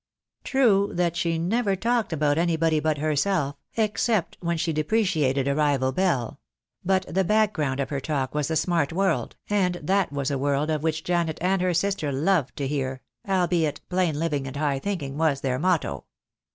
True that she never talked about anybody but herself, except when she de preciated a rival belle; but the background of her talk was the smart world, and that was a world of which Janet and her sister loved to hear, albeit "plain living and high thinking" was their motto.